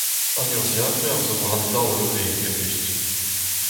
An urzhiataer zo war an daol ivez, evel-just.